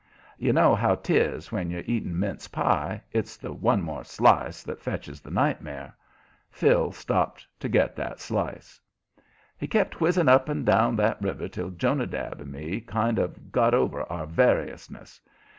You know how 'tis when you're eating mince pie it's the "one more slice" that fetches the nightmare. Phil stopped to get that slice. He kept whizzing up and down that river till Jonadab and me kind of got over our variousness.